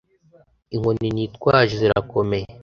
Inkoni nitwaje zirakomeye.